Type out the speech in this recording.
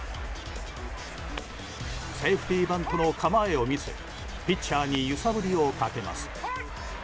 セーフティーバントの構えを見せピッチャーに揺さぶりをかけます。